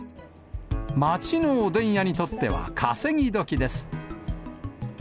町のおでん屋にとっては稼ぎ時です。